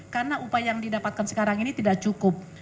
karena upaya yang didapatkan sekarang ini tidak cukup